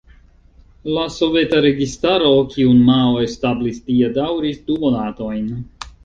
La Soveta registaro kiun Mao establis tie daŭris du monatojn.